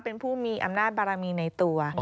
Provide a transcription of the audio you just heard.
เป็นผู้มีอำนาจบารมีในตัว